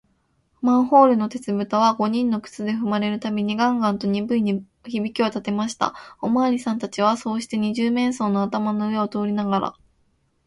マンホールの鉄ぶたは、五人の靴でふまれるたびに、ガンガンとにぶい響きをたてました。おまわりさんたちは、そうして、二十面相の頭の上を通りながら、